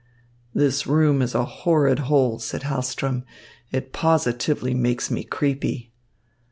"This room is a horrid hole," said Hahlström. "It positively makes me creepy."